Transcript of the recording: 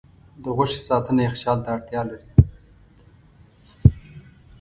د غوښې ساتنه یخچال ته اړتیا لري.